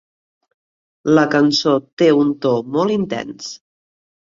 La cançó té un to molt intens.